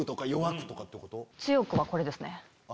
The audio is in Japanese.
「強く」はこれですね。